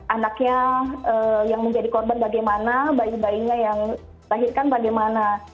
anaknya yang menjadi korban bagaimana bayi bayinya yang dilahirkan bagaimana